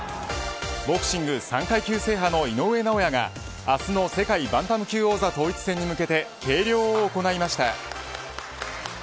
ボクシング３階級制覇の井上尚弥が、明日の世界バンタム級王座統一戦に向けて計量を行いました。